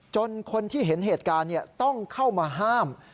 คนที่เห็นเหตุการณ์ต้องเข้ามาห้าม